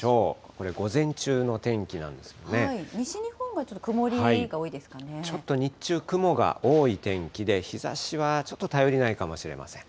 これ、午前中の天気なんですけど西日本がちょっと曇りが多いちょっと日中、雲が多い天気で、日ざしはちょっと頼りないかもしれません。